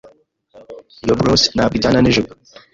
Iyo blouse ntabwo ijyana nijipo.